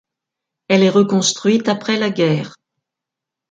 Elle est reconstruite après la guerre.